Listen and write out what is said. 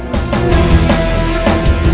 kamu harus berhenti